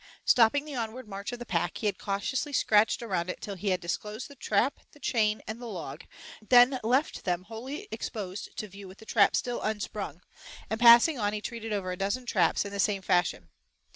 Stopping the onward march of the pack, he had cautiously scratched around it until he had disclosed the trap, the chain, and the log, then left them wholly exposed to view with the trap still unsprung, and passing on he treated over a dozen traps in the same fashion.